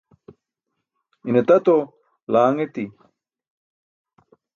ine tato laaṅ eti